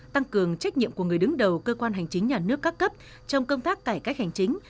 tăng cường trách nhiệm của người đứng đầu cơ quan hành chính nhà nước các cấp trong công tác cải cách hành chính